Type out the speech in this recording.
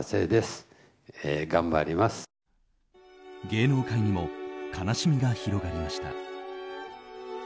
芸能界にも悲しみが広がりました。